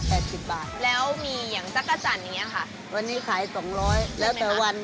แล้วที่ร้านนี่มีแมลงอะไรบ้างคะ